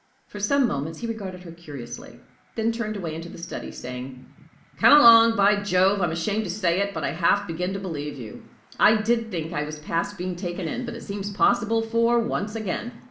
For some moments he regarded her curiously, then turned away into the study, saying: "Come along. By Jove! I'm ashamed to say it, but I half begin to believe in you. I did think I was past being taken in, but it seems possible for once again.